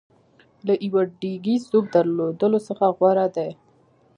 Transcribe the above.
له یوه ډېګي سوپ درلودلو څخه غوره دی.